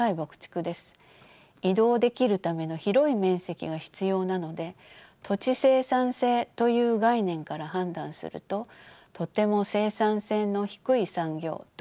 移動できるための広い面積が必要なので土地生産性という概念から判断するととても生産性の低い産業と言わざるをえません。